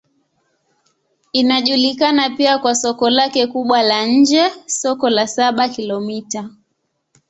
Inajulikana pia kwa soko lake kubwa la nje, Soko la Saba-Kilomita.